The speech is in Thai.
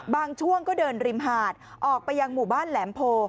ช่วงก็เดินริมหาดออกไปยังหมู่บ้านแหลมโพ